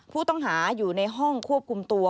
ผู้ต้องหาอยู่ในห้องควบคุมตัว